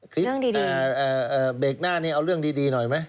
เบรกหน้านี้เอาเรื่องดีหน่อยไหม